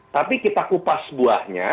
tapi kita kupas buahnya